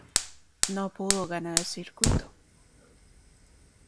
No pudo ganar el circuito.